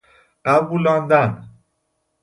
قبولاندن